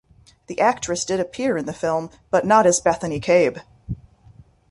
The actress did appear in the film, but not as Bethany Cabe.